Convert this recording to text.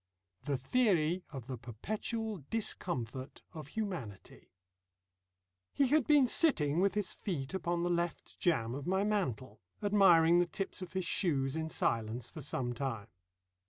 THE THEORY OF THE PERPETUAL DISCOMFORT OF HUMANITY He had been sitting with his feet upon the left jamb of my mantel, admiring the tips of his shoes in silence for some time.